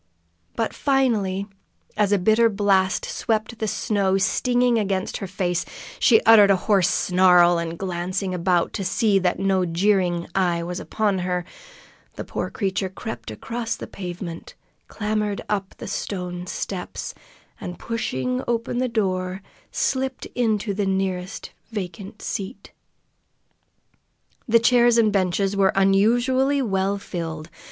But finally, as a bitter blast swept the snow stingingly against her face, she uttered a hoarse snarl, and glancing about to see that no jeering eye was upon her, the poor creature crept across the pavement, clambered up the stone steps, and, pushing open the door, slipped into the nearest vacant seat. The chairs and benches were unusually well filled.